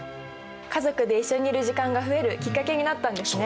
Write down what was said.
家族で一緒にいる時間が増えるきっかけになったんですね。